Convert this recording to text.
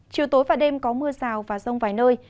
chiều tối và đêm có mưa rào và rông vài nơi